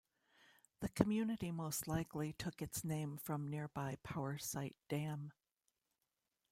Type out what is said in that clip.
The community most likely took its name from nearby Powersite Dam.